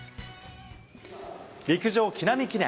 陸上木南記念。